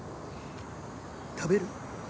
食べる？